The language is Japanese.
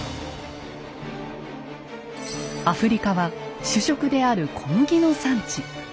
アフリカは主食である小麦の産地。